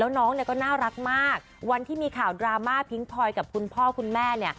น้องเนี่ยก็น่ารักมากวันที่มีข่าวดราม่าพิ้งพลอยกับคุณพ่อคุณแม่เนี่ย